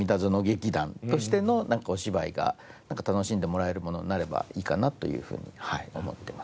劇団としてのお芝居が楽しんでもらえるものになればいいかなというふうに思ってます。